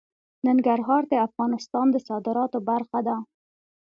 ننګرهار د افغانستان د صادراتو برخه ده.